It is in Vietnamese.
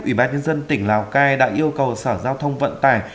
ủy ban nhân dân tỉnh lào cai đã yêu cầu sở giao thông vận tải